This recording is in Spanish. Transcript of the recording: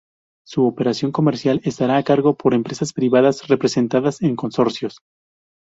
Su operación comercial estará a cargo por empresas privadas representadas en consorcios.